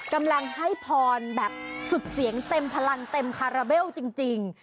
กำลังให้พรแบบสุดเสียงเต็มพลังเต็มคาราเบลจริง